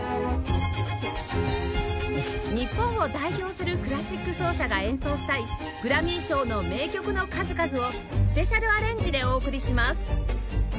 日本を代表するクラシック奏者が演奏したいグラミー賞の名曲の数々をスペシャルアレンジでお送りします